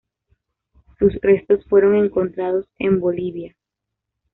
Sus restos fueron encontrados en Bolivia.